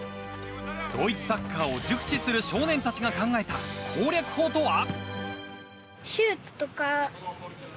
ドイツサッカーを熟知する少年たちが考えた攻略法とは？